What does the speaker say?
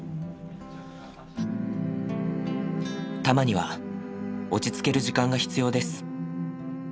たまには落ち着ける時間が必要です。